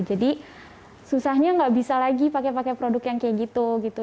jadi susahnya nggak bisa lagi pakai pakai produk yang kayak gitu gitu